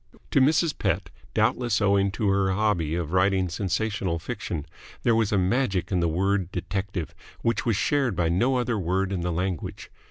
To Mrs. Pett, doubtless owing to her hobby of writing sensational fiction, there was a magic in the word detective which was shared by no other word in the language.